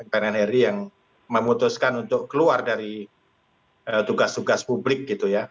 pnri yang memutuskan untuk keluar dari tugas tugas publik gitu ya